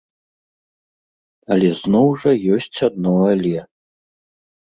Але зноў жа ёсць адно але.